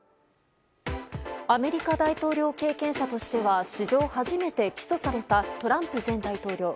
アメリカ大統領経験者としては史上初めて起訴されたトランプ前大統領。